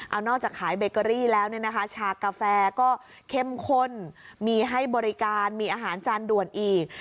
เอานอกจากขายเบเกอรี่แล้วเนี่ยนะคะชากาแฟก็เข้มข้นมีให้บริการมีอาหารจานด่วนอีก